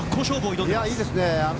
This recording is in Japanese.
いいですね。